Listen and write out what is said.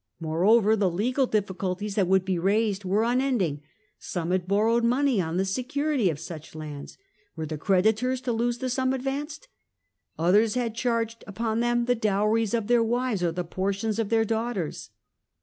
Moreover, the legal difficulties that would be raised were unending ; some had borrowed money on the security of such lands — were the creditors to lose the sum advanced ? Others had charged upon them the dowries of their wives, or the portions of their daughters.